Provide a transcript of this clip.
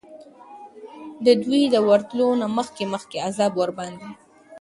د دوی د ورتلو نه مخکي مخکي عذاب ورباندي